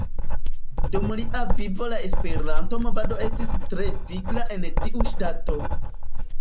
Dum lia vivo la Esperanto-movado estis tre vigla en tiu ŝtato.